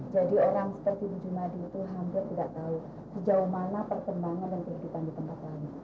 jadi orang seperti bu jumadi itu hampir tidak tahu sejauh mana perkembangan dan kehidupan di tempat lain